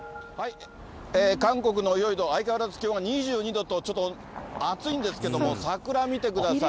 韓国のヨイド、相変わらず気温は２２度と、ちょっと暑いんですけど、桜見てください。